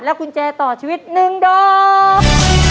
กุญแจต่อชีวิต๑ดอก